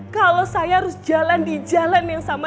kalau saya harus jalan di jalan yang sama